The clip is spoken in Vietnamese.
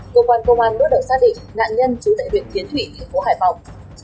công an công an bước đầu xác định nạn nhân trú tại huyện tiến thủy thành phố hải phòng